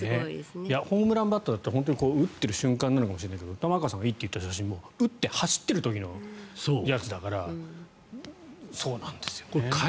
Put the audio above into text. ホームランバッターだから打っている瞬間なのかもしれないけど玉川さんがいいと言った写真も打って走ってる時の写真だからそうなんですよね。